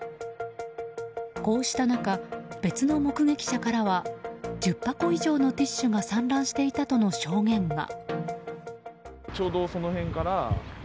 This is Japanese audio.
こうした中、別の目撃者からは１０箱以上のティッシュが散乱していたとの証言が。